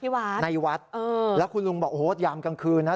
ที่วัดในวัดแล้วคุณลุงบอกโอ้โฮยามกลางคืนนะ